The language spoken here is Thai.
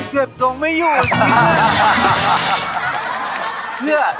เก็บทรงไม่อยู่ที่นี่